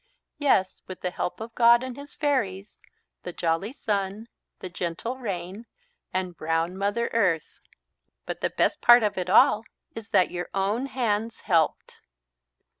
"Yes, with the help of God and His fairies the jolly Sun, the gentle Rain, and brown Mother Earth. But the best part of it all is that your own hands helped."